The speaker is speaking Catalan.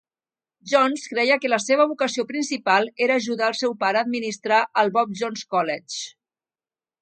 Jones creia que la seva vocació principal era ajudar el seu pare a administrar el Bob Jones College.